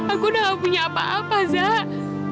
aku udah gak punya apa apa zah